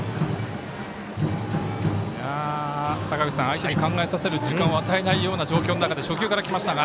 相手の考えさせる時間を与えないような状況の中で初球からきましたが。